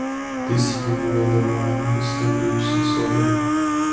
Disciplīna nav iedomājama bez stingrības un sodiem.